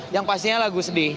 yang pastinya lagu sedih